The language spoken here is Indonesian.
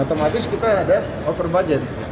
otomatis kita ada over budget